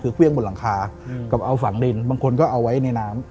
คือเครื่องบนหลังคากับเอาฝังดินบางคนก็เอาไว้ในน้ำ